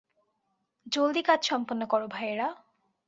জলদি কাজ সম্পন্ন কর, ভাইয়েরা।